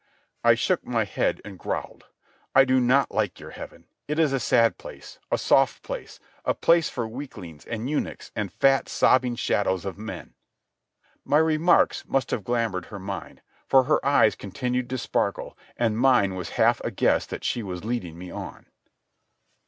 I shook my head and growled: "I do not like your heaven. It is a sad place, a soft place, a place for weaklings and eunuchs and fat, sobbing shadows of men." My remarks must have glamoured her mind, for her eyes continued to sparkle, and mine was half a guess that she was leading me on.